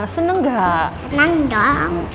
seneng gak seneng dong